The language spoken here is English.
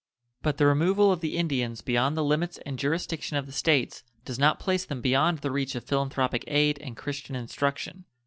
But the removal of the Indians beyond the limits and jurisdiction of the States does not place them beyond the reach of philanthropic aid and Christian instruction.